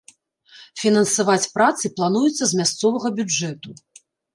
Фінансаваць працы плануецца з мясцовага бюджэту.